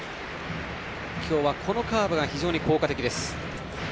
今日はカーブが非常に効果的です。